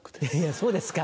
そうですか？